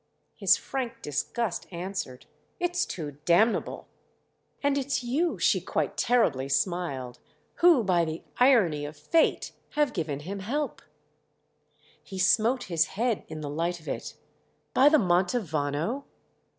His frank disgust answered. "It's too damnable!" "And it's you," she quite terribly smiled, "who—by the 'irony of fate'!—have given him help." He smote his head in the light of it. "By the Mantovano?"